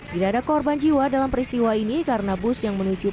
tidak ada korban jiwa dalam peristiwa ini karena bus yang menuju